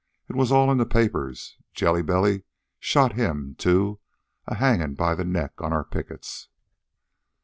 It was all in the papers. Jelly Belly shot him, too, a hangin' by the neck on our pickets."